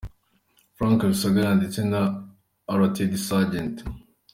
Frank Rusagara ndetse na Rtd Sgt.